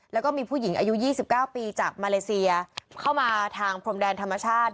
แล้วก็มีผู้หญิงอายุ๒๙ปีจากมาเลเซียเข้ามาทางพรมแดนธรรมชาติ